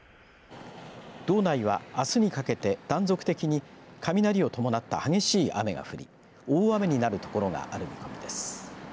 道内はあすにかけて断続的に雷を伴った激しい雨が降り大雨になるところがある見込みです。